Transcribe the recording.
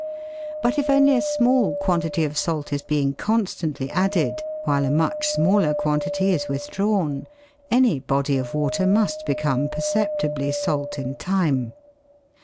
But if only a small quantity of salt is being constantly added, while a much smaller quantity is withdrawn, any body of water must become perceptibly salt in time.